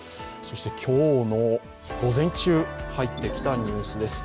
今日の午前中、入ってきたニュースです。